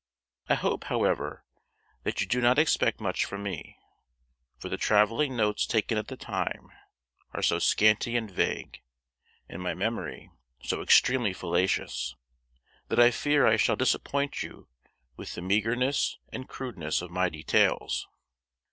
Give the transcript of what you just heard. I hope, however, that you do not expect much from me, for the travelling notes taken at the time are so scanty and vague, and my memory so extremely fallacious, that I fear I shall disappoint you with the meagreness and crudeness of my details.